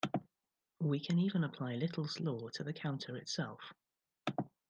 We can even apply Little's Law to the counter itself.